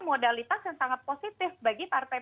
modalitas yang sangat positif bagi partai